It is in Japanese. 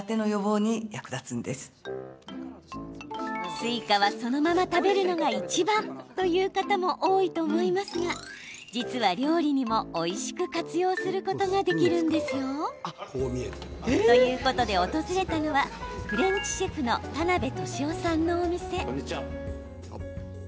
スイカはそのまま食べるのがいちばんという方も多いと思いますが実は料理にも、おいしく活用することができるんですよ。ということで訪れたのはフレンチシェフの田辺年男さんのお店。